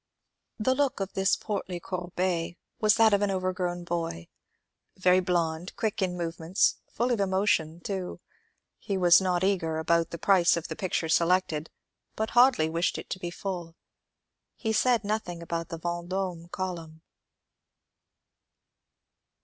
The look of this portly Courbet was that of an overgrown boy, — very blond, quick in movements, full of emotion, too. He was not eager about the price of the picture selected, but Hoadly wished it to be full. He said nothing about the Yendome column.